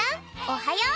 おはよう！